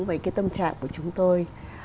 về cái tâm trạng của chúng tôi